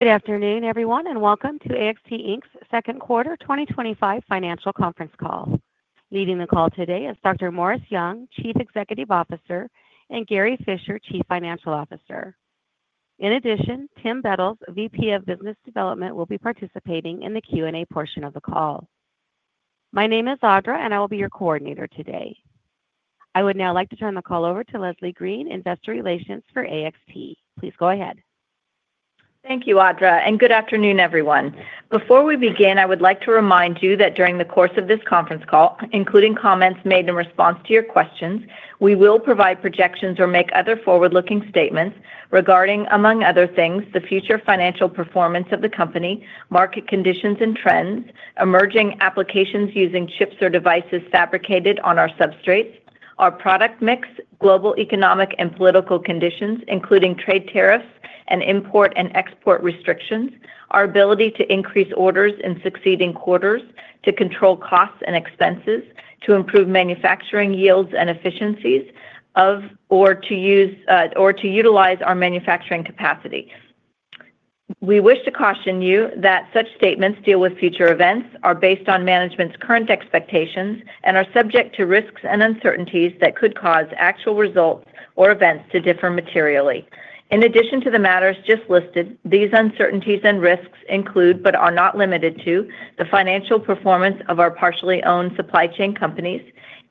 Good afternoon, everyone, and welcome to AXT Inc.'s Second Quarter 2025 Financial Conference Call. Leading the call today is Dr. Morris Young, Chief Executive Officer, and Gary Fischer, Chief Financial Officer. In addition, Tim Bettles, Vice President of Business Development, will be participating in the Q&A portion of the call. My name is Audra, and I will be your coordinator today. I would now like to turn the call over to Leslie Green, Investor Relations for AXT. Please go ahead. Thank you, Audra, and good afternoon, everyone. Before we begin, I would like to remind you that during the course of this conference call, including comments made in response to your questions, we will provide projections or make other forward-looking statements regarding, among other things, the future financial performance of the company, market conditions and trends, emerging applications using chips or devices fabricated on our substrate, our product mix, global economic and political conditions, including trade tariffs and import and export restrictions, our ability to increase orders in succeeding quarters, to control costs and expenses, to improve manufacturing yields and efficiencies, or to utilize our manufacturing capacity. We wish to caution you that such statements deal with future events, are based on management's current expectations, and are subject to risks and uncertainties that could cause actual results or events to differ materially. In addition to the matters just listed, these uncertainties and risks include, but are not limited to, the financial performance of our partially owned supply chain companies,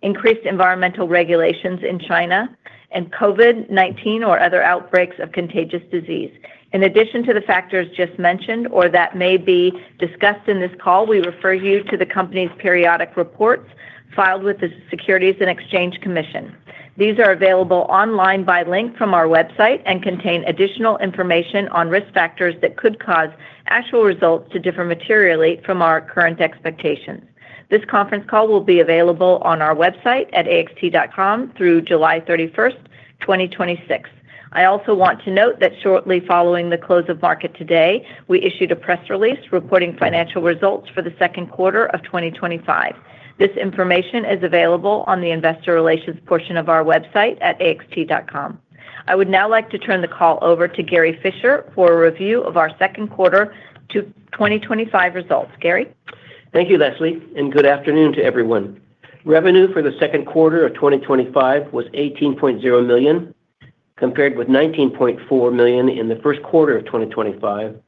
increased environmental regulations in China, and COVID-19 or other outbreaks of contagious disease. In addition to the factors just mentioned or that may be discussed in this call, we refer you to the company's periodic reports filed with the Securities and Exchange Commission. These are available online by link from our website and contain additional information on risk factors that could cause actual results to differ materially from our current expectations. This conference call will be available on our website at AXT.com through July 31, 2026. I also want to note that shortly following the close of market today, we issued a press release reporting financial results for the second quarter of 2025. This information is available on the Investor Relations portion of our website at AXT.com. I would now like to turn the call over to Gary Fischer for a review of our second quarter 2025 results. Gary. Thank you, Leslie, and good afternoon to everyone. Revenue for the second quarter of 2025 was $18.0 million, compared with $19.4 million in the first quarter of 2025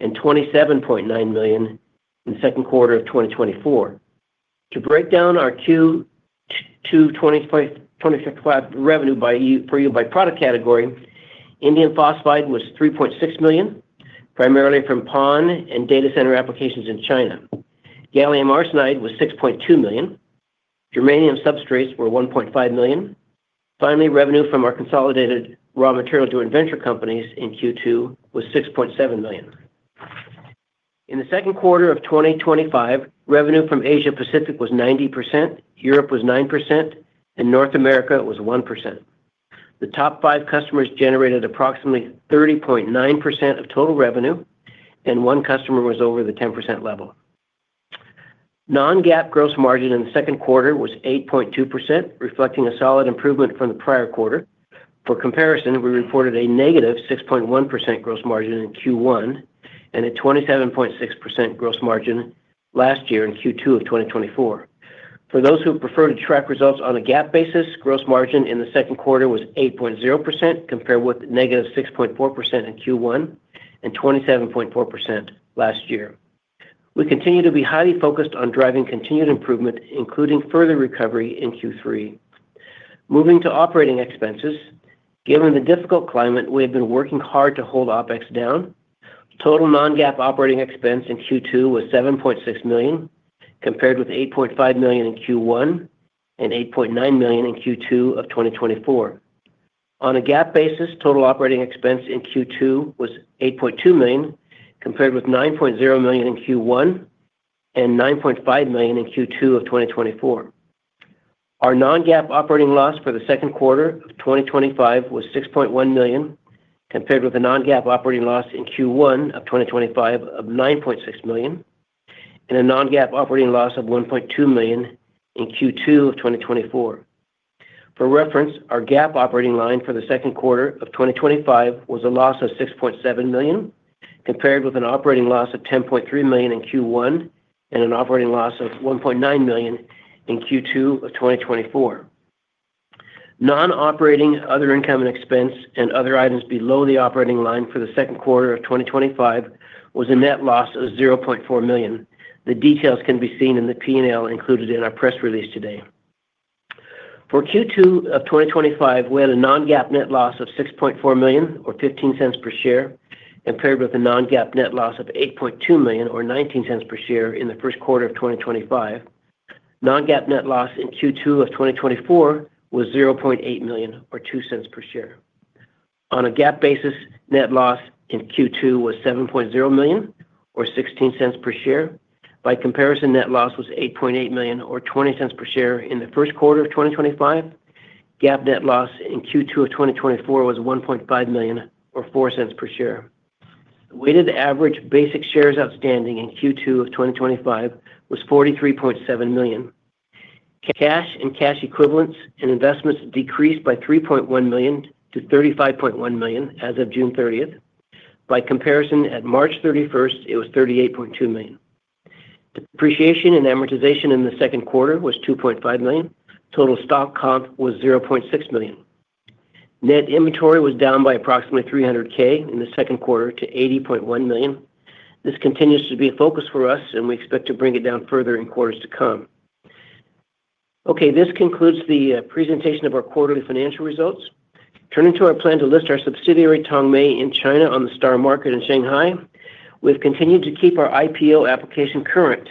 and $27.9 million in the second quarter of 2024. To break down our Q2 2025 revenue for you by product category, indium phosphide was $3.6 million, primarily from PON and data center applications in China. Gallium arsenide was $6.2 million. Germanium substrates were $1.5 million. Finally, revenue from our consolidated raw material joint ventures in Q2 was $6.7 million. In the second quarter of 2025, revenue from Asia-Pacific was 90%, Europe was 9%, and North America was 1%. The top five customers generated approximately 30.9% of total revenue, and one customer was over the 10% level. Non-GAAP gross margin in the second quarter was 8.2%, reflecting a solid improvement from the prior quarter. For comparison, we reported a negative 6.1% gross margin in Q1 and a 27.6% gross margin last year in Q2 of 2024. For those who prefer to track results on a GAAP basis, gross margin in the second quarter was 8.0%, compared with -6.4% in Q1 and 27.4% last year. We continue to be highly focused on driving continued improvement, including further recovery in Q3. Moving to operating expenses, given the difficult climate, we have been working hard to hold OpEx down. Total non-GAAP operating expense in Q2 was $7.6 million, compared with $8.5 million in Q1 and $8.9 million in Q2 of 2024. On a GAAP basis, total operating expense in Q2 was $8.2 million, compared with $9.0 million in Q1 and $9.5 million in Q2 of 2024. Our non-GAAP operating loss for the second quarter of 2025 was $6.1 million, compared with a non-GAAP operating loss in Q1 of 2025 of $9.6 million and a non-GAAP operating loss of $1.2 million in Q2 of 2024. For reference, our GAAP operating line for the second quarter of 2025 was a loss of $6.7 million, compared with an operating loss of $10.3 million in Q1 and an operating loss of $1.9 million in Q2 of 2024. Non-operating other income and expense and other items below the operating line for the second quarter of 2025 was a net loss of $0.4 million. The details can be seen in the P&L included in our press release today. For Q2 of 2025, we had a non-GAAP net loss of $6.4 million or $0.15 per share, compared with a non-GAAP net loss of $8.2 million or $0.19 per share in the first quarter of 2025. Non-GAAP net loss in Q2 of 2024 was $0.8 million or $0.02 per share. On a GAAP basis, net loss in Q2 was $7.0 million or $0.16 per share. By comparison, net loss was $8.8 million or $0.20 per share in the first quarter of 2025. GAAP net loss in Q2 of 2024 was $1.5 million or $0.04 per share. Weighted average basic shares outstanding in Q2 of 2025 was 43.7 million. Cash and cash equivalents and investments decreased by $3.1 million to $35.1 million as of June 30th. By comparison, at March 31st, it was $38.2 million. Depreciation and amortization in the second quarter was $2.5 million. Total stock comp was $0.6 million. Net inventory was down by approximately $300,000 in the second quarter to $80.1 million. This continues to be a focus for us, and we expect to bring it down further in quarters to come. Okay, this concludes the presentation of our quarterly financial results. Turning to our plan to list our subsidiary Tongmei in China on the STAR Market in Shanghai, we have continued to keep our IPO application current.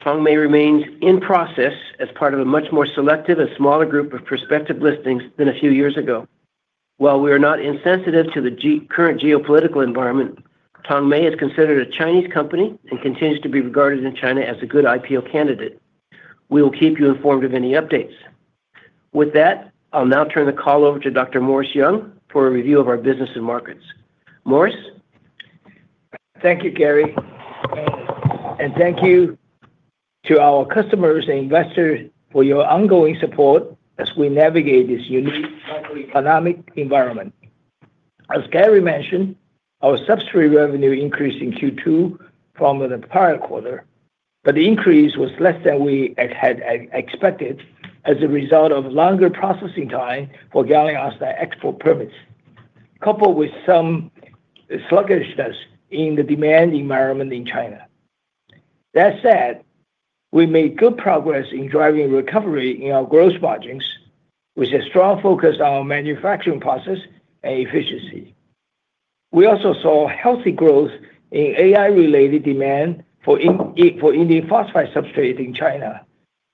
Tongmei remains in process as part of a much more selective and smaller group of prospective listings than a few years ago. While we are not insensitive to the current geopolitical environment, Tongmei is considered a Chinese company and continues to be regarded in China as a good IPO candidate. We will keep you informed of any updates. With that, I'll now turn the call over to Dr. Morris Young for a review of our business and markets. Morris? Thank you, Gary, and thank you to our customers and investors for your ongoing support as we navigate this unique economic environment. As Gary mentioned, our substrate revenue increased in Q2 from the prior quarter, but the increase was less than we had expected as a result of longer processing time for gallium arsenide export permits, coupled with some sluggishness in the demand environment in China. That said, we made good progress in driving recovery in our gross margins with a strong focus on our manufacturing process and efficiency. We also saw healthy growth in AI-related demand for indium phosphide substrate in China,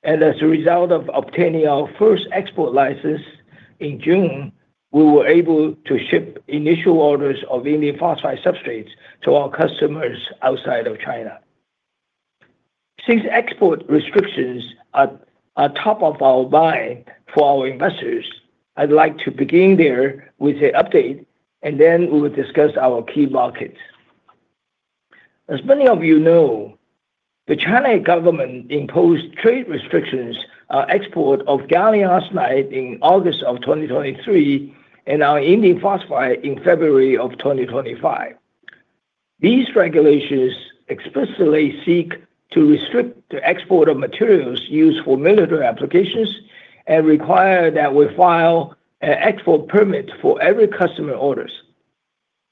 and as a result of obtaining our first export license in June, we were able to ship initial orders of indium phosphide substrates to our customers outside of China. Since export restrictions are top of our mind for our investors, I'd like to begin there with an update, and then we will discuss our key markets. As many of you know, the China government imposed trade restrictions on export of gallium arsenide in August of 2023 and on indium phosphide in February of 2024. These regulations explicitly seek to restrict the export of materials used for military applications and require that we file an export permit for every customer order.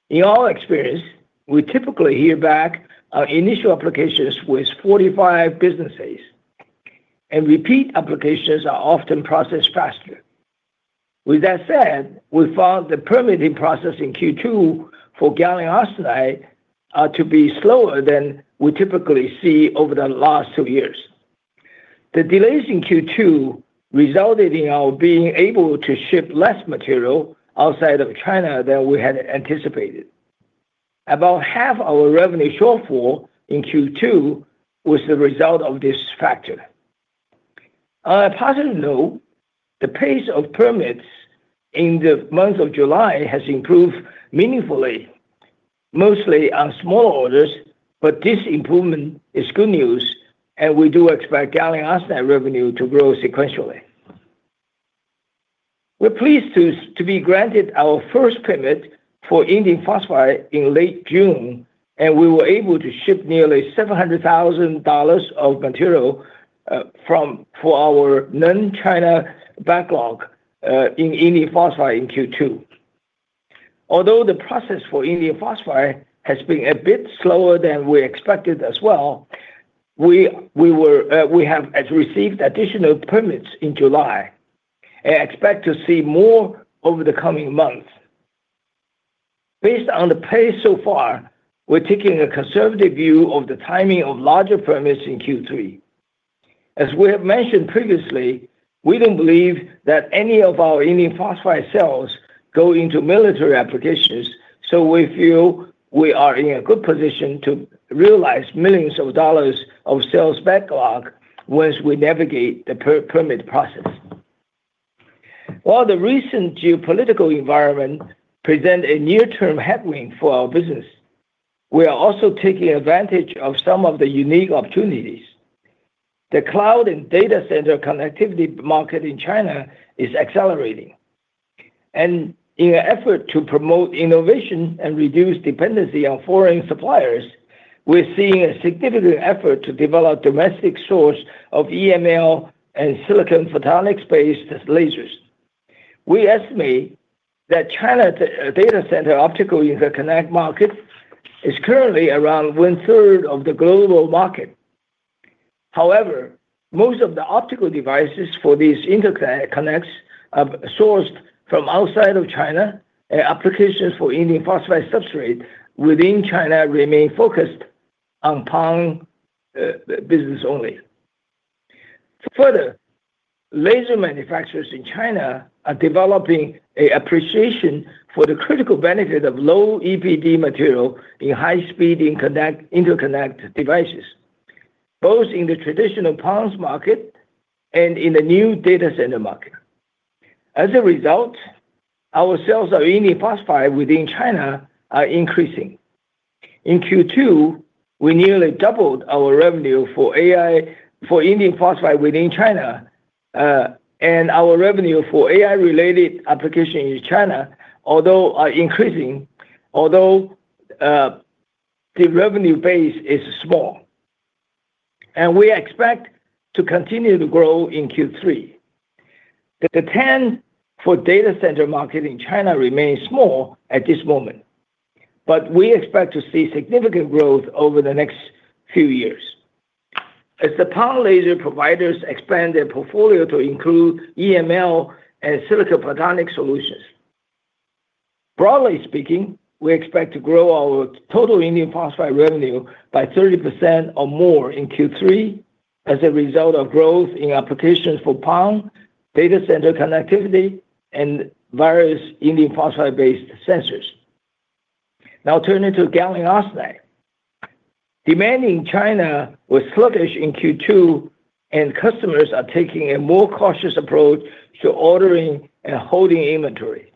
In our experience, we typically hear back on initial applications within 45 business days, and repeat applications are often processed faster. With that said, we found the permitting process in Q2 for gallium arsenide to be slower than we typically see over the last two years. The delays in Q2 resulted in our being able to ship less material outside of China than we had anticipated. About half our revenue shortfall in Q2 was the result of this factor. On a positive note, the pace of permits in the month of July has improved meaningfully, mostly on small orders, but this improvement is good news, and we do expect gallium arsenide revenue to grow sequentially. We're pleased to be granted our first permit for indium phosphide in late June, and we were able to ship nearly $700,000 of material for our non-China backlog in indium phosphide in Q2. Although the process for indium phosphide has been a bit slower than we expected as well, we have received additional permits in July and expect to see more over the coming month. Based on the pace so far, we're taking a conservative view of the timing of larger permits in Q3. As we have mentioned previously, we don't believe that any of our indium phosphide cells go into military applications, so we feel we are in a good position to realize millions of dollars of sales backlog once we navigate the permit process. While the recent geopolitical environment presents a near-term headwind for our business, we are also taking advantage of some of the unique opportunities. The cloud and data center connectivity market in China is accelerating, and in an effort to promote innovation and reduce dependency on foreign suppliers, we're seeing a significant effort to develop a domestic source of electro-absorption modulated lasers and silicon photonics-based lasers. We estimate that China's data center optical interconnect market is currently around 1/3 of the global market. However, most of the optical devices for these interconnects are sourced from outside of China, and applications for indium phosphide substrate within China remain focused on passive optical networks business only. Further, laser manufacturers in China are developing an appreciation for the critical benefit of low EPD material in high-speed interconnect devices, both in the traditional passive optical networks market and in the new data center market. As a result, our sales of indium phosphide within China are increasing. In Q2, we nearly doubled our revenue for indium phosphide within China, and our revenue for AI-related applications in China is increasing, although the revenue base is small. We expect to continue to grow in Q3. The demand for data center market in China remains small at this moment, but we expect to see significant growth over the next few years. As the passive optical networks laser providers expand their portfolio to include EML and silicon photonic solutions, broadly speaking, we expect to grow our total indium phosphide revenue by 30% or more in Q3 as a result of growth in applications for passive optical networks, data center connectivity, and various indium phosphide-based sensors. Now, turning to gallium arsenide, demand in China was sluggish in Q2, and customers are taking a more cautious approach to ordering and holding inventory.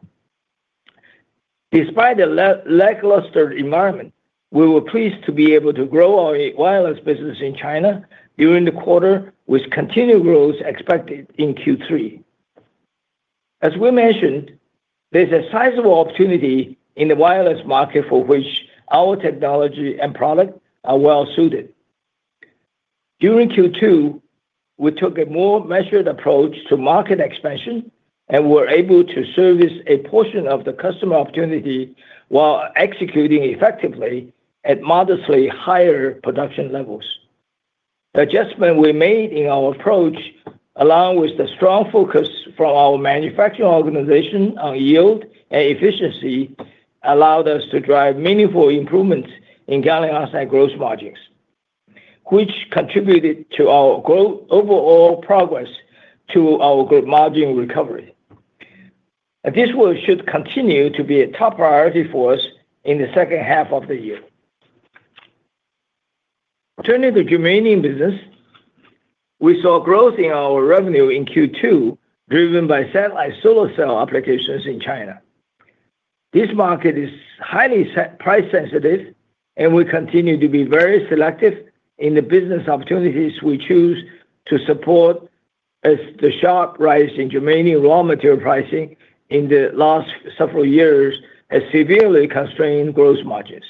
Despite the lackluster environment, we were pleased to be able to grow our wireless business in China during the quarter, with continued growth expected in Q3. As we mentioned, there's a sizable opportunity in the wireless market for which our technology and product are well suited. During Q2, we took a more measured approach to market expansion and were able to service a portion of the customer opportunity while executing effectively at modestly higher production levels. The adjustment we made in our approach, along with the strong focus from our manufacturing organization on yield and efficiency, allowed us to drive meaningful improvements in gallium arsenide gross margins, which contributed to our overall progress to our margin recovery. This will continue to be a top priority for us in the second half of the year. Turning to the germanium business, we saw growth in our revenue in Q2, driven by satellite solar cell applications in China. This market is highly price-sensitive, and we continue to be very selective in the business opportunities we choose to support, as the sharp rise in germanium raw material pricing in the last several years has severely constrained gross margins.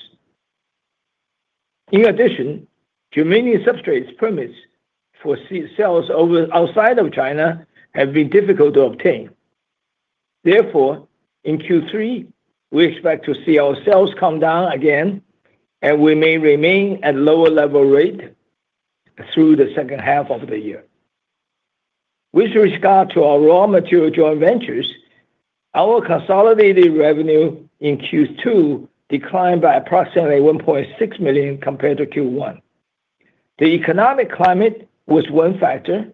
In addition, germanium substrate permits for sales outside of China have been difficult to obtain. Therefore, in Q3, we expect to see our sales come down again, and we may remain at a lower level rate through the second half of the year. With respect to our raw material joint ventures, our consolidated revenue in Q2 declined by approximately $1.6 million compared to Q1. The economic climate was one factor,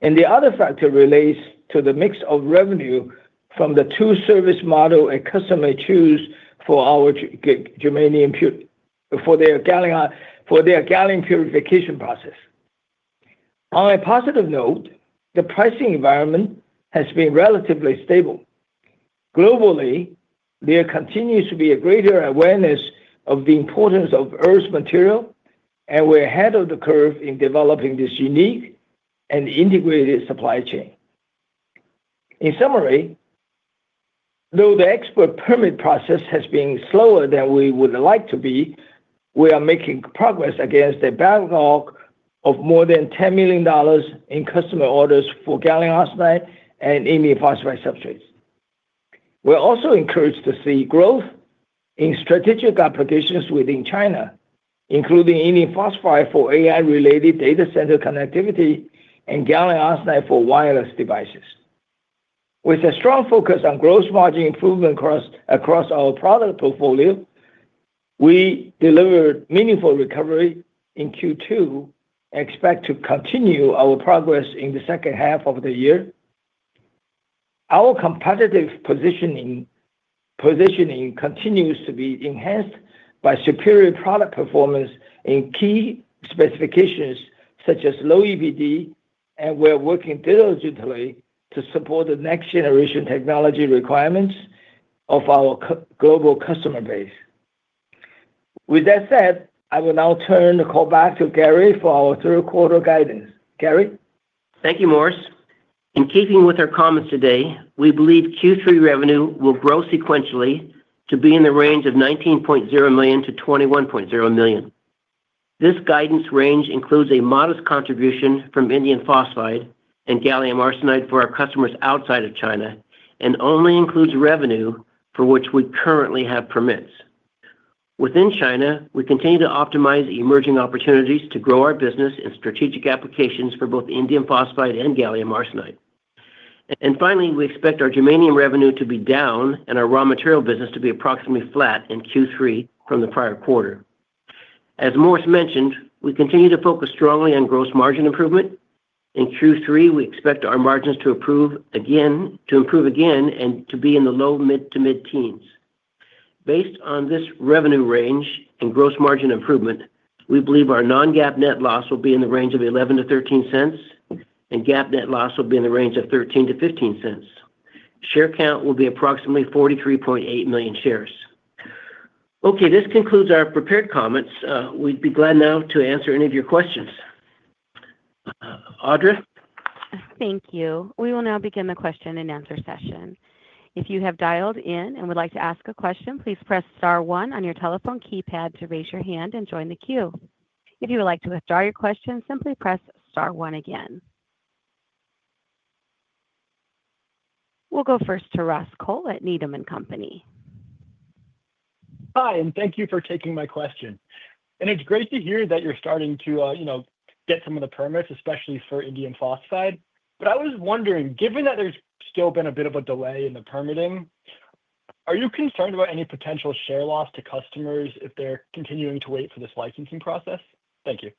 and the other factor relates to the mix of revenue from the two service models a customer chooses for their gallium purification process. On a positive note, the pricing environment has been relatively stable. Globally, there continues to be a greater awareness of the importance of Earth's material, and we're ahead of the curve in developing this unique and integrated supply chain. In summary, though the export permit process has been slower than we would like to be, we are making progress against a backlog of more than $10 million in customer orders for gallium arsenide and indium phosphide substrates. We're also encouraged to see growth in strategic applications within China, including indium phosphide for AI-related data center connectivity and gallium arsenide for wireless devices. With a strong focus on gross margin improvement across our product portfolio, we delivered meaningful recovery in Q2 and expect to continue our progress in the second half of the year. Our competitive positioning continues to be enhanced by superior product performance in key specifications such as low EBD, and we're working diligently to support the next-generation technology requirements of our global customer base. With that said, I will now turn the call back to Gary for our third quarter guidance. Gary? Thank you, Morris. In keeping with our comments today, we believe Q3 revenue will grow sequentially to be in the range of $19.0 million-$21.0 million. This guidance range includes a modest contribution from indium phosphide and gallium arsenide for our customers outside of China, and only includes revenue for which we currently have permits. Within China, we continue to optimize the emerging opportunities to grow our business in strategic applications for both indium phosphide and gallium arsenide. Finally, we expect our germanium revenue to be down and our raw material business to be approximately flat in Q3 from the prior quarter. As Morris mentioned, we continue to focus strongly on gross margin improvement. In Q3, we expect our margins to improve again and to be in the low-mid to mid-teens. Based on this revenue range and gross margin improvement, we believe our non-GAAP net loss will be in the range of $0.11-$0.13, and GAAP net loss will be in the range of $0.13-$0.15. Share count will be approximately 43.8 million shares. Okay, this concludes our prepared comments. We'd be glad now to answer any of your questions. Audra? Thank you. We will now begin the question and answer session. If you have dialed in and would like to ask a question, please press star one on your telephone keypad to raise your hand and join the queue. If you would like to withdraw your question, simply press star one again. We'll go first to Ross Cole at Needham & Company. Hi, thank you for taking my question. It's great to hear that you're starting to get some of the permits, especially for indium phosphide. I was wondering, given that there's still been a bit of a delay in the permitting, are you concerned about any potential share loss to customers if they're continuing to wait for this licensing process? Thank you.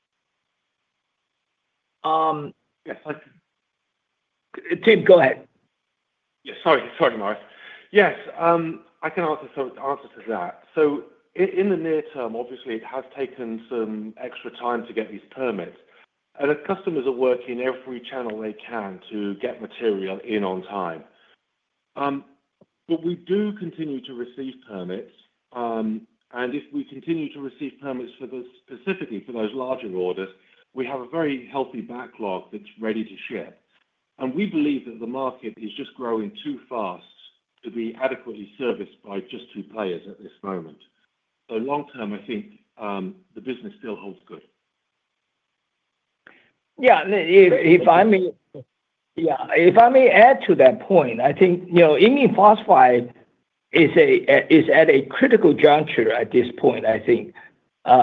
Tim, go ahead. Yeah. Yes, I can answer to that. In the near term, obviously, it has taken some extra time to get these permits, and the customers are working every channel they can to get material in on time. We do continue to receive permits. If we continue to receive permits for those, specifically for those larger orders, we have a very healthy backlog that's ready to ship. We believe that the market is just growing too fast to be adequately serviced by just two players at this moment. Long term, I think the business still holds good. Yeah, if I may add to that point, I think indium phosphide is at a critical juncture at this point.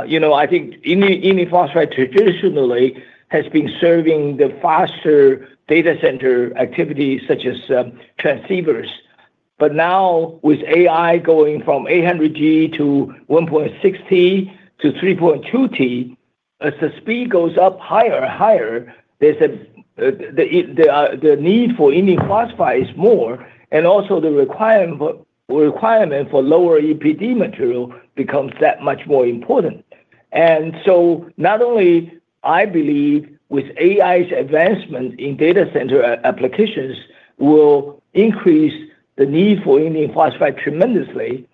You know, I think indium phosphide traditionally has been serving the faster data center activities such as transceivers. Now, with AI going from 800G to 1.6T to 3.2T, as the speed goes up higher and higher, the need for indium phosphide is more, and also the requirement for lower EPD material becomes that much more important. Not only, I believe, with AI's advancement in data center applications will increase the need for indium phosphide tremendously,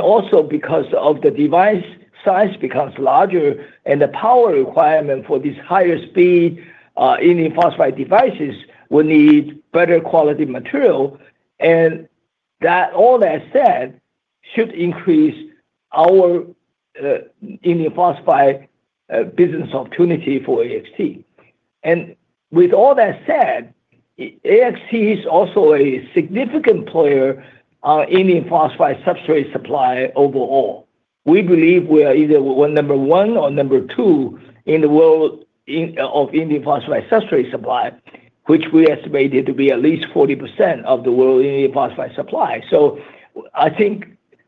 also because the device size becomes larger and the power requirement for these higher speed indium phosphide devices will need better quality material. All that said should increase our indium phosphide business opportunity for AXT. With all that said, AXT is also a significant player in indium phosphide substrate supply overall. We believe we are either number one or number two in the world of indium phosphide substrate supply, which we estimate to be at least 40% of the world indium phosphide supply. I think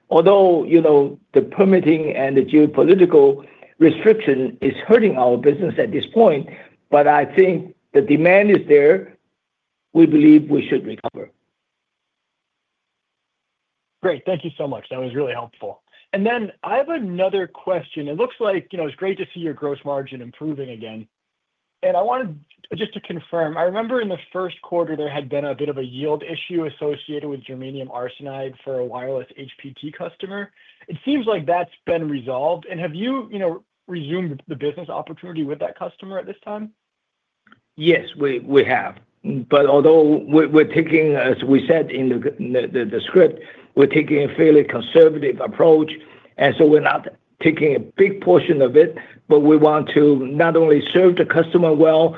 although, you know, the permitting and the geopolitical restriction is hurting our business at this point, I think the demand is there. We believe we should recover. Great, thank you so much. That was really helpful. I have another question. It looks like, you know, it's great to see your gross margin improving again. I wanted just to confirm, I remember in the first quarter there had been a bit of a yield issue associated with germanium arsenide for a wireless HPT customer. It seems like that's been resolved. Have you, you know, resumed the business opportunity with that customer at this time? Yes, we have. Although we're taking, as we said in the script, a fairly conservative approach, we're not taking a big portion of it, but we want to not only serve the customer well,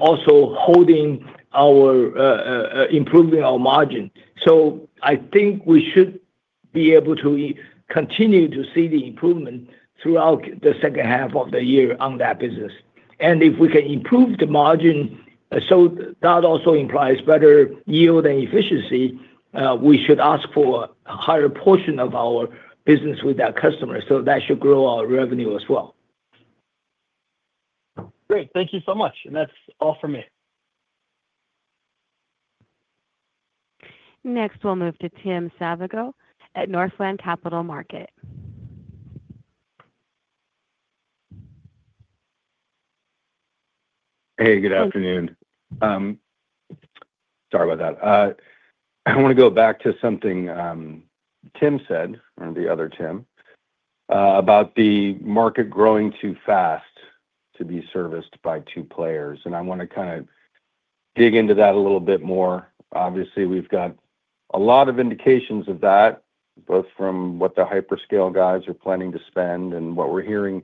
also holding our, improving our margin. I think we should be able to continue to see the improvement throughout the second half of the year on that business. If we can improve the margin, so that also implies better yield and efficiency, we should ask for a higher portion of our business with that customer. That should grow our revenue as well. Great, thank you so much. That's all from me. Next, we'll move to Tim Savageaux at Northland Capital Markets. Hey, good afternoon. Sorry about that. I want to go back to something Tim said, or the other Tim, about the market growing too fast to be serviced by two players. I want to kind of dig into that a little bit more. Obviously, we've got a lot of indications of that, both from what the hyperscale guys are planning to spend and what we're hearing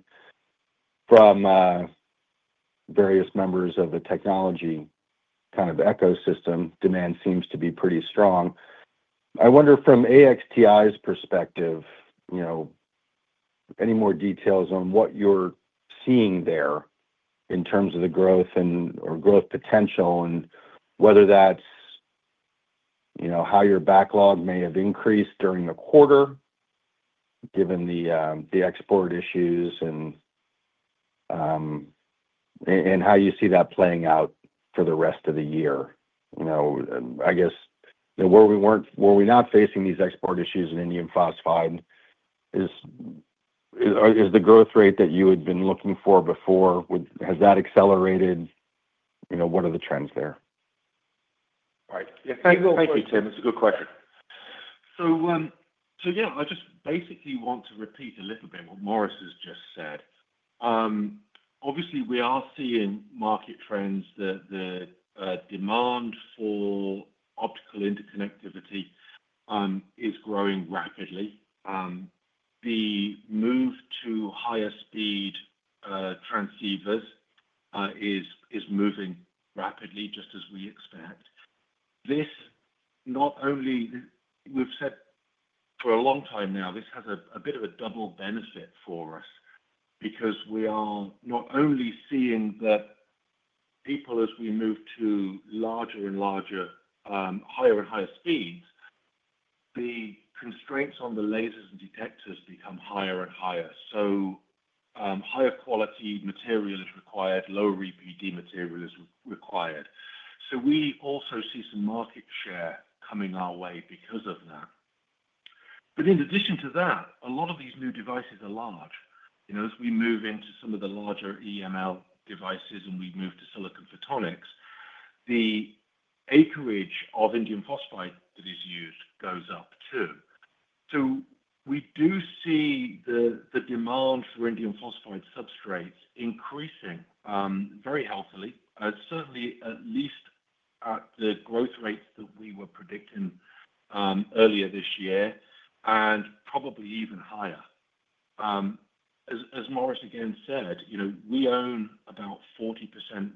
from various members of the technology kind of ecosystem. Demand seems to be pretty strong. I wonder from AXTI's perspective, you know, any more details on what you're seeing there in terms of the growth and/or growth potential and whether that's, you know, how your backlog may have increased during the quarter, given the export issues and how you see that playing out for the rest of the year. I guess were we not facing these export issues in indium phosphide? Is the growth rate that you had been looking for before, has that accelerated? What are the trends there? Thank you, Tim, it's a good question. I just basically want to repeat a little bit what Morris has just said. Obviously, we are seeing market trends. The demand for optical interconnectivity is growing rapidly. The move to higher speed transceivers is moving rapidly, just as we expect. This, not only we've said for a long time now, this has a bit of a double benefit for us because we are not only seeing that people, as we move to larger and larger, higher and higher speeds, the constraints on the lasers and detectors become higher and higher. Higher quality material is required, lower EPD material is required. We also see some market share coming our way because of that. In addition to that, a lot of these new devices are large. You know, as we move into some of the larger EML devices and we move to silicon photonics, the acreage of indium phosphide that is used goes up too. We do see the demand for indium phosphide substrates increasing very healthily, certainly at least at the growth rates that we were predicting earlier this year, and probably even higher. As Morris again said, you know, we own about 40%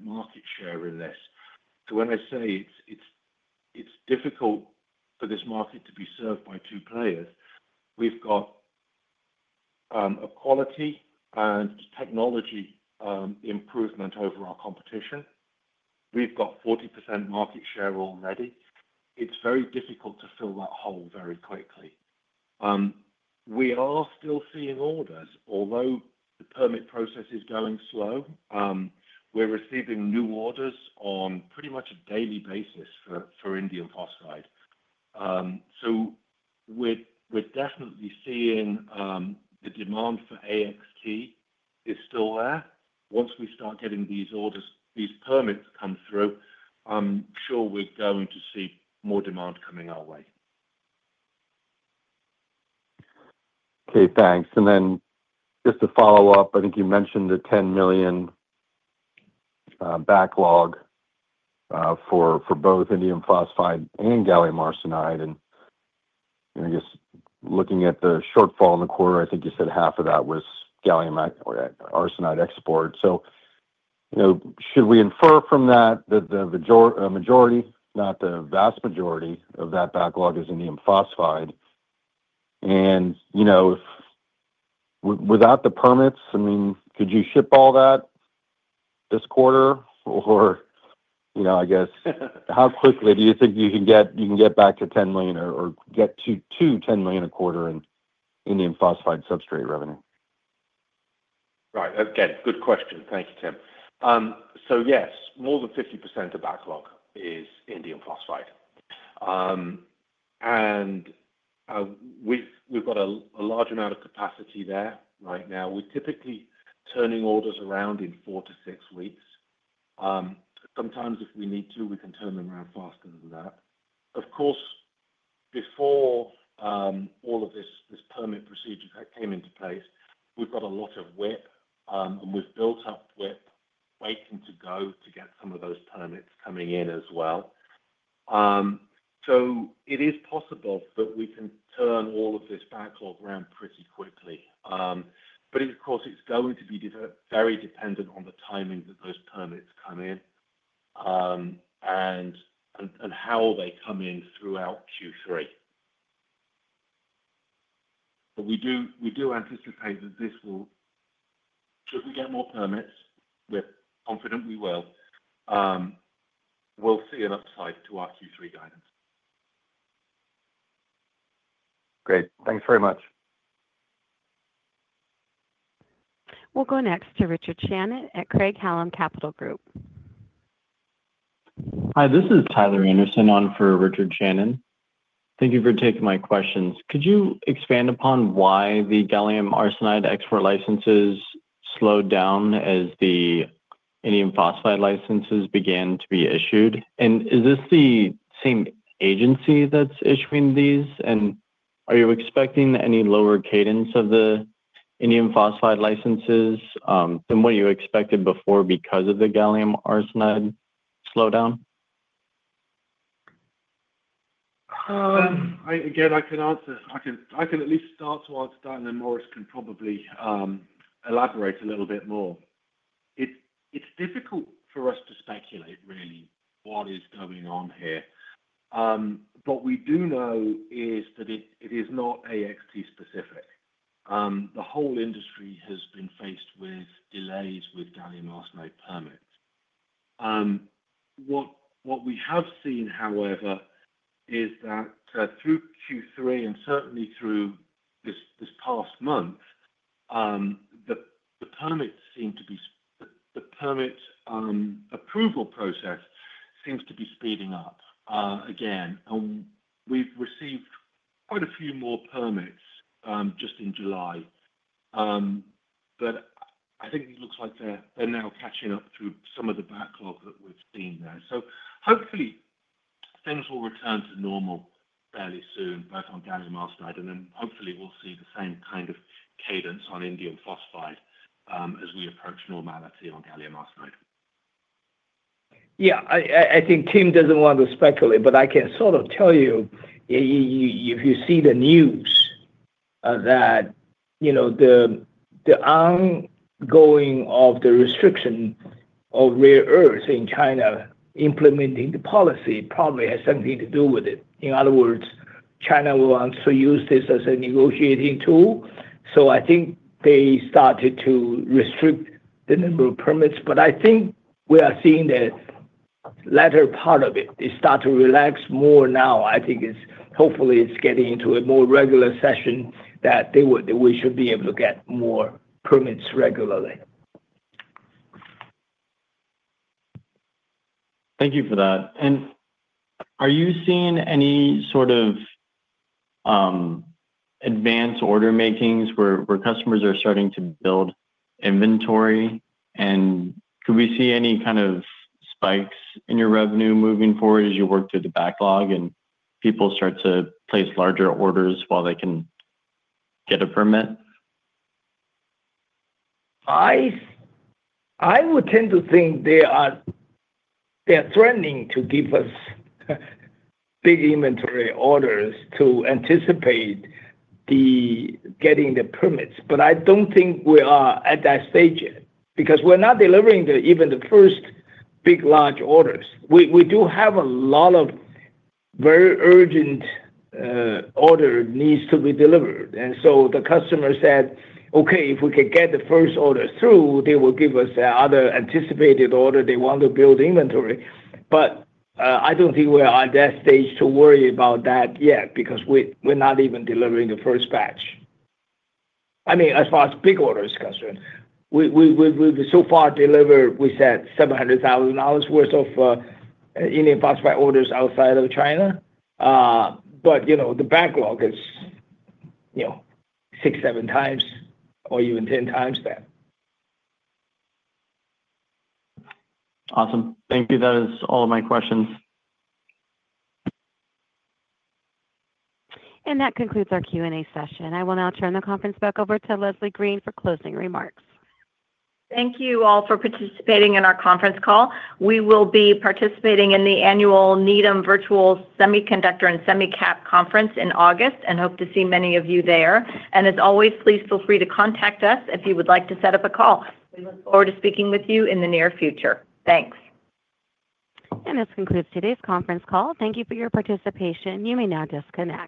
market share in this. When I say it's difficult for this market to be served by two players, we've got a quality and technology improvement over our competition. We've got 40% market share already. It's very difficult to fill that hole very quickly. We are still seeing orders, although the permit process is going slow. We're receiving new orders on pretty much a daily basis for indium phosphide. We're definitely seeing the demand for AXT is still there. Once we start getting these orders, these permits come through, I'm sure we're going to see more demand coming our way. Okay, thanks. Just to follow up, I think you mentioned the $10 million backlog for both indium phosphide and gallium arsenide. I guess looking at the shortfall in the quarter, I think you said half of that was gallium arsenide export. Should we infer from that that the majority, not the vast majority, of that backlog is indium phosphide? Without the permits, could you ship all that this quarter? How quickly do you think you can get back to $10 million or get to $10 million a quarter in indium phosphide substrate revenue? Right. Again, good question. Thank you, Tim. Yes, more than 50% of the backlog is indium phosphide, and we've got a large amount of capacity there right now. We're typically turning orders around in four to six weeks. Sometimes if we need to, we can turn them around faster than that. Of course, before all of this permit procedure came into place, we've got a lot of WIP, and we've built up WIP waiting to get some of those permits coming in as well. It is possible that we can turn all of this backlog around pretty quickly. Of course, it's going to be very dependent on the timing that those permits come in, and how they come in throughout Q3. We do anticipate that this will, should we get more permits, we're confident we will, we'll see an upside to our Q3 guidance. Great. Thanks very much. We'll go next to Richard Shannon at Craig-Hallum Capital Group. Hi, this is Tyler Anderson on for Richard Shannon. Thank you for taking my questions. Could you expand upon why the gallium arsenide export licenses slowed down as the indium phosphide licenses began to be issued? Is this the same agency that's issuing these? Are you expecting any lower cadence of the indium phosphide licenses than what you expected before because of the gallium arsenide slowdown? Again, I can answer. I can at least start to answer that, and then Morris can probably elaborate a little bit more. It's difficult for us to speculate, really, what is going on here. We do know that it is not AXT-specific. The whole industry has been faced with delays with gallium arsenide permits. What we have seen, however, is that through Q3 and certainly through this past month, the permit approval process seems to be speeding up again. We've received quite a few more permits just in July. I think it looks like they're now catching up to some of the backlog that we've seen there. Hopefully, things will return to normal fairly soon, both on gallium arsenide, and then hopefully, we'll see the same kind of cadence on indium phosphide as we approach normality on gallium arsenide. Yeah, I think Tim doesn't want to speculate, but I can sort of tell you, if you see the news that, you know, the ongoing restriction of rare earths in China implementing the policy probably has something to do with it. In other words, China wants to use this as a negotiating tool. I think they started to restrict the number of permits. I think we are seeing the latter part of it. They start to relax more now. I think it's hopefully getting into a more regular session that we should be able to get more permits regularly. Thank you for that. Are you seeing any sort of advanced order makings where customers are starting to build inventory? Could we see any kind of spikes in your revenue moving forward as you work through the backlog and people start to place larger orders while they can get a permit? I would tend to think they are threatening to give us big inventory orders to anticipate getting the permits. I don't think we are at that stage yet because we're not delivering even the first big, large orders. We do have a lot of very urgent orders that need to be delivered. The customer said, "Okay, if we could get the first order through, they will give us the other anticipated order they want to build inventory." I don't think we are at that stage to worry about that yet because we're not even delivering the first batch. As far as big orders are concerned, we've so far delivered, we said, $700,000 worth of indium phosphide orders outside of China. The backlog is 6x, 7x or even 10x there. Awesome. Thank you. That is all of my questions. That concludes our Q&A session. I will now turn the conference back over to Leslie Green for closing remarks. Thank you all for participating in our conference call. We will be participating in the annual Needham Virtual Semiconductor & Semicap Conference in August and hope to see many of you there. As always, please feel free to contact us if you would like to set up a call. We look forward to speaking with you in the near future. Thanks. This concludes today's conference call. Thank you for your participation. You may now disconnect.